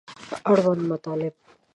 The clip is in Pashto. اړونده مطالب